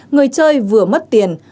người chơi vừa mất tiền